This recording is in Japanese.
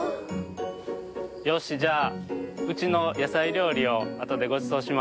よしじゃあうちのやさいりょうりをあとでごちそうします。